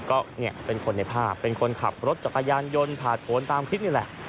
ก็เนี่ยเป็นคนในภาพเป็นคนขับรถจักรยานยนต์ผ่านผลตามคลิปนี่แหละ